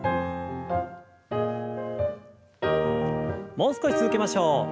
もう少し続けましょう。